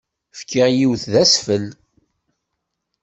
Fkiɣ yiwet d asfel.